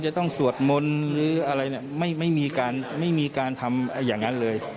จะต้องสวดมนต์หรืออะไรเนี่ยไม่มีการไม่มีการทำอย่างนั้นเลย